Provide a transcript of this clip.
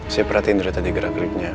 saya perhatiin tadi gerak klipnya